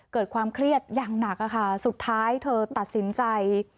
เกิดความเครียดอย่างหนักค่ะสุดท้ายเธอตัดสินใจ